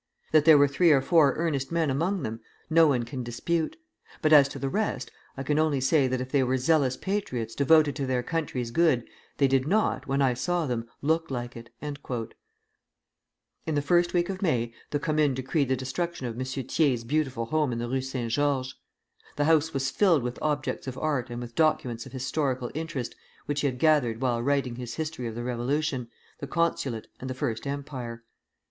That there were three or four earnest men among them, no one can dispute; but as to the rest, I can only say that if they were zealous patriots devoted to their country's good, they did not, when I saw them, look like it." [Footnote 1: Cornhill Magazine, 1871.] In the first week of May the Commune decreed the destruction of M. Thiers's beautiful home in the Rue St. Georges. The house was filled with objects of art and with documents of historical interest which he had gathered while writing his History of the Revolution, the Consulate, and the First Empire.